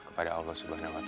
kepada allah swt